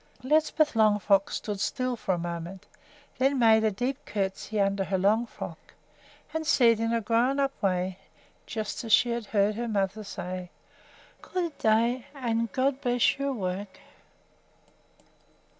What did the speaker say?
Lisbeth Longfrock stood still for a moment, then made a deep courtesy under her long frock and said in a grown up way, just as she had heard her mother say, "Good day, and God bless your work."